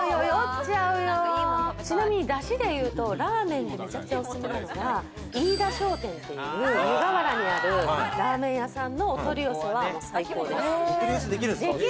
ちなみにダシでいうとラーメンでめちゃくちゃおすすめなのが飯田商店という湯河原にあるラーメンのお取り寄せは最高です。